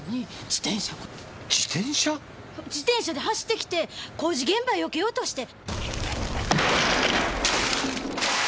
自転車！？自転車で走ってきて工事現場避けようとして。